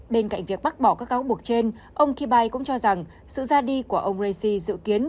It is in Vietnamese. bên cạnh việc bác bỏ các cáo buộc trên ông kibay cũng cho rằng sự ra đi của ông raisi dự kiến